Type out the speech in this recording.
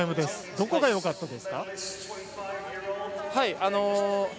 どこがよかったですか？